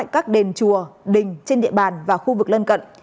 các đền chùa đình trên địa bàn và khu vực lân cận